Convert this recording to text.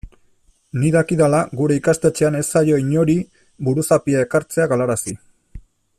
Nik dakidala gure ikastetxean ez zaio inori buruzapia ekartzea galarazi.